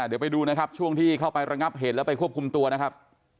เดี๋ยวไปดูนะครับช่วงที่เข้าไประงับเหตุแล้วไปควบคุมตัวนะครับ